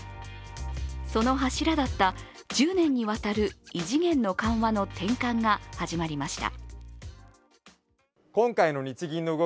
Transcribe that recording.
その柱だった１０年にわたる異次元の緩和の転換が始まりました。